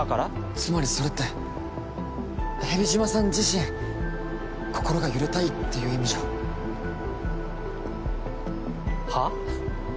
つまりそれって蛇島さん自身心が揺れたいっていう意味じゃはあ？